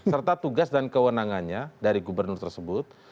serta tugas dan kewenangannya dari gubernur tersebut